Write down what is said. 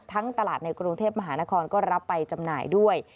ตลาดในกรุงเทพมหานครก็รับไปจำหน่ายด้วย